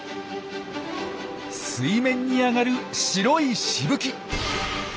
水面に上がる白いしぶき！